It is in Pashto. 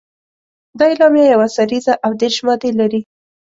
دا اعلامیه یوه سريزه او دېرش مادې لري.